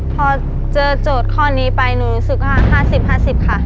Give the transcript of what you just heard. พอเจอโจทย์ข้อนี้ไปหนูรู้สึกว่า๕๐๕๐ค่ะ